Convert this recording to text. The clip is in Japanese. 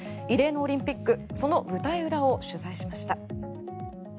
異例のオリンピックその舞台裏を取材しました。